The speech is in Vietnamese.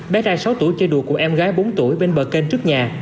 bé trai sáu tuổi chơi đùa cùng em gái bốn tuổi bên bờ kênh trước nhà